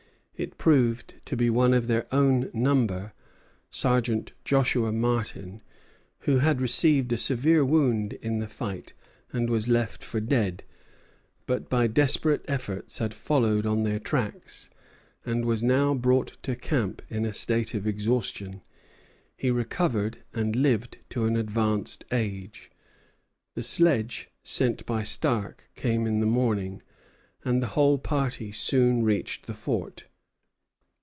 It proved to be one of their own number, Sergeant Joshua Martin, who had received a severe wound in the fight, and was left for dead; but by desperate efforts had followed on their tracks, and was now brought to camp in a state of exhaustion. He recovered, and lived to an advanced age. The sledge sent by Stark came in the morning, and the whole party soon reached the fort.